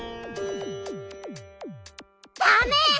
ダメ！